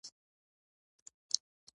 بيا مو ترې تپوس وکړو چې څۀ کوئ؟